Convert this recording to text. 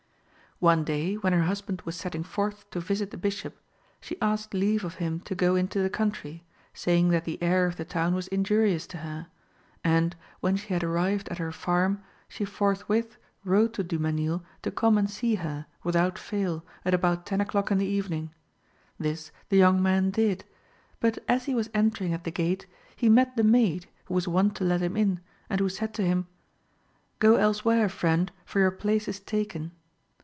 One day, when her husband was setting forth to visit the Bishop, she asked leave of him to go into the country, saying that the air of the town was injurious to her; and, when she had arrived at her farm, she forthwith wrote to Du Mesnil to come and see her, without fail, at about ten o'clock in the evening. This the young man did; but as he was entering at the gate he met the maid who was wont to let him in, and who said to him, "Go elsewhere, friend, for your place is taken."